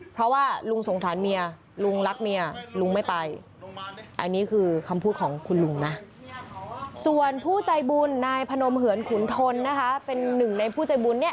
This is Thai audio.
พนมเหินขุนทนนะคะเป็นหนึ่งในผู้ใจบุญนี่